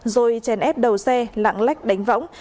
rồi chèn ép đầu xe lạng lách đánh võng